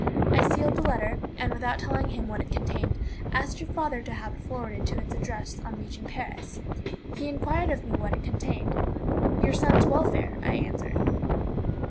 I sealed the letter, and, without telling him what it contained, asked your father to have it forwarded to its address on reaching Paris. He inquired of me what it contained. "Your son's welfare," I answered.